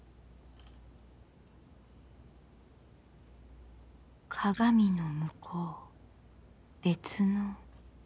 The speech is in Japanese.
心の声鏡の向こう別の世界。